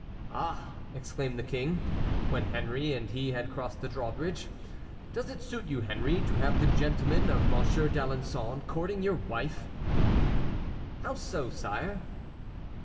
"Ah!" exclaimed the King, when Henry and he had crossed the drawbridge, "does it suit you, Henry, to have the gentlemen of Monsieur d'Alençon courting your wife?" "How so, sire?"